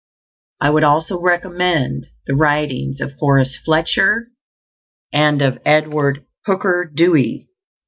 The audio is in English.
I would also recommend the writings of Horace Fletcher, and of Edward Hooker Dewey.